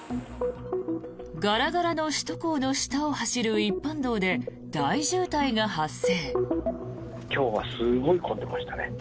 ガラガラの首都高を走る一般道で大渋滞が発生。